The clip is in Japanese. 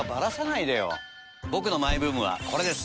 僕のマイブームはこれです。